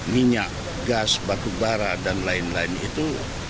minyak gas batu bara dan lain lain itu